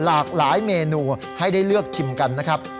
หลากหลายเมนูให้ได้เลือกชิมกันนะครับ